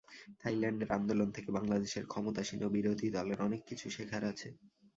থাইল্যান্ডের আন্দোলন থেকে বাংলাদেশের ক্ষমতাসীন ও বিরোধী দলের অনেক কিছু শেখার আছে।